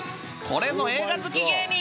これぞ映画好き芸人！